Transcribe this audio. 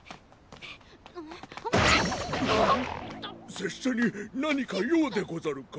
拙者に何か用でござるか？